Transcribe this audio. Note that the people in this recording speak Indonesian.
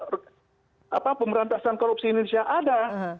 coba tanya kepada penggiat pemberantasan korupsi di indonesia ada